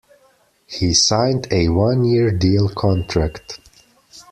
He signed a one-year deal contract.